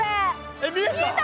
えっ見えた？